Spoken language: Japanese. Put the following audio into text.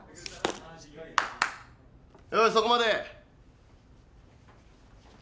よしそこまで！